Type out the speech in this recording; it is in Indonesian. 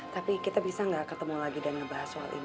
tapi kita bisa nggak ketemu lagi dan ngebahas soal ini